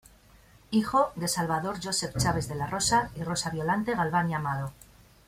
Hijo de Salvador Josef Chaves de la Rosa, y Rosa Violante Galván y Amado.